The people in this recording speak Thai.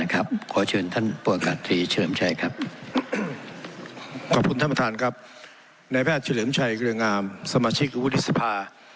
ก็คือด้านที่อางการมันรอดด้วยความสงสัย